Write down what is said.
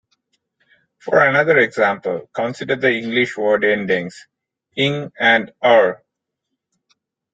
For another example, consider the English word endings "-ing" and "-er".